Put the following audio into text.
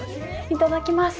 いただきます。